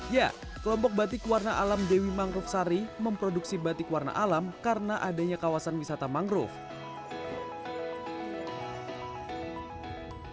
ya kelompok batik warna alam dewi mangrove sari memproduksi batik warna alam karena adanya kawasan wisata mangrove